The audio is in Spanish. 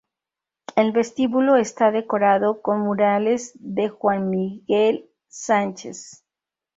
El vestíbulo está decorado con murales de Juan Miguel Sánchez.